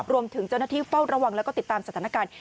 รวมถึงเจ้าหน้าที่เฝ้าระวังแล้วก็ติดตามสถานการณ์